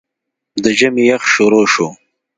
د ژمي يخ شورو شو